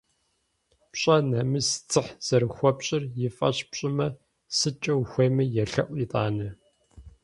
Пщӏэ, нэмыс, дзыхь зэрыхуэпщӏыр и фӏэщ пщӏымэ, сыткӏэ ухуейми елъэӏу итӏанэ.